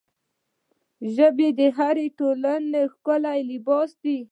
ژبه د هرې ټولنې ښکلی لباس دی